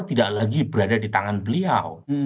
tidak lagi berada di tangan beliau